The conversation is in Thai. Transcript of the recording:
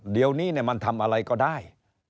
เดี๋ยวนี้มันทำอะไรก็ได้